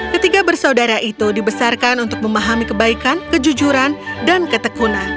ketiga bersaudara itu dibesarkan untuk memahami kebaikan kejujuran dan ketekunan